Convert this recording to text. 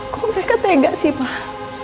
kok mereka tega sih pak